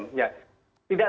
tidak banyak pilihan sebenarnya